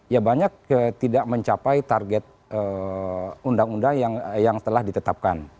ya banyak tidak mencapai target undang undang yang telah ditetapkan